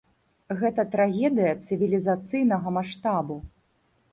Гэта трагедыя цывілізацыйнага маштабу.